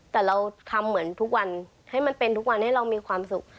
แต่เราทำเหมือนทุกวันให้มันเป็นทุกวันให้เรามีความสุข